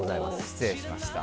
失礼しました。